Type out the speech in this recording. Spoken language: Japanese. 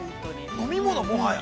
◆飲み物、もはや。